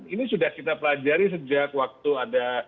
ini sudah kita pelajari sejak waktu ada